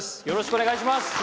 よろしくお願いします。